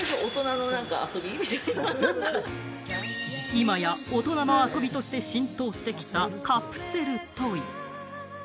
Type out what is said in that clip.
今や大人の遊びとして浸透してきたカプセルトイ。